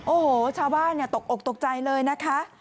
โอ้โหชาวบ้านตกอกตกใจเลยนะคะ